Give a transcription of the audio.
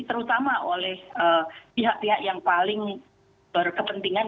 terutama oleh pihak pihak yang paling berkepentingan